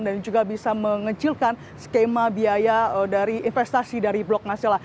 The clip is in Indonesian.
dan juga bisa mengecilkan skema biaya dari investasi dari blok masjid